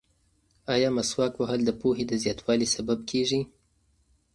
ایا مسواک وهل د پوهې د زیاتوالي سبب کیږي؟